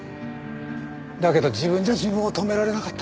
だけど自分じゃ自分を止められなかった。